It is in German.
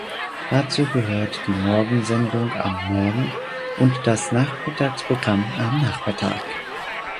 Dazu gehört die Morgensendung "Am Morgen" und das Nachmittagsprogramm "Am Nachmittag.